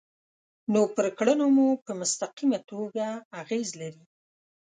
نو پر کړنو مو په مستقیمه توګه اغیز لري.